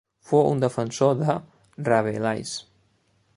Fou un defensor de Rabelais.